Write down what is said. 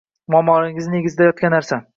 Muammolarimizning negizida yotgan narsa